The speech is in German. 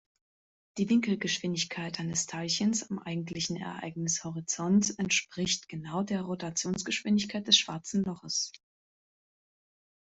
Die Winkelgeschwindigkeit eines Teilchens am eigentlichen Ereignishorizont entspricht genau der Rotationsgeschwindigkeit des Schwarzen Loches.